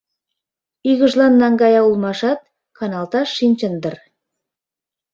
Игыжлан наҥгая улмашат, каналташ шинчын дыр.